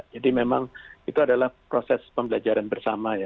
jadi memang itu adalah proses pembelajaran bersama